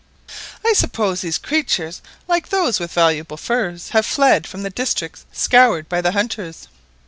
"I suppose these creatures, like those with valuable furs, have fled from the districts scoured by the hunters."